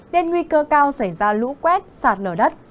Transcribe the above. nên nguy cơ cao xảy ra lũ quét sạt lở đất